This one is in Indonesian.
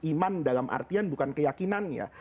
iman dalam artian bukan keyakinan ya